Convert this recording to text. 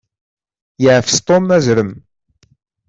Yeɛfes Tom azrem.